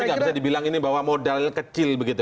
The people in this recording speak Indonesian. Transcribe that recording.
tapi nggak bisa dibilang ini bahwa modal kecil begitu